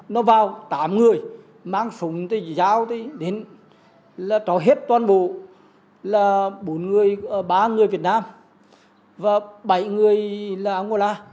nói chung là bốn người ba người việt nam và bảy người là angola